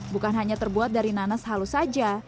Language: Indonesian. bukan hanya terbuat dari nanas halus saja